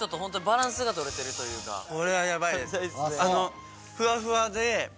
これはヤバいです。